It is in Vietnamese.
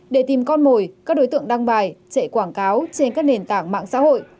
để tìm con mồi các đối tượng đăng bài chạy quảng cáo trên các nền tảng mạng xã hội